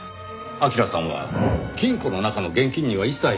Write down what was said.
明良さんは金庫の中の現金には一切手を付けていません。